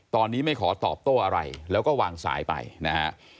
ตอนนี้ไม่ขอตอบโต้อะไรแล้วก็วางสายไปนะฮะ